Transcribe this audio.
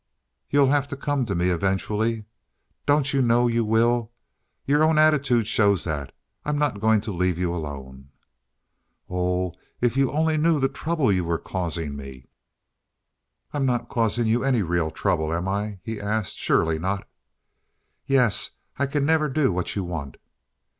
"You'll have to come to me eventually. Don't you know you will? Your own attitude shows that. I'm not going to leave you alone." "Oh, if you knew the trouble you're causing me." "I'm not causing you any real trouble, am I?" he asked. "Surely not." "Yes. I can never do what you want."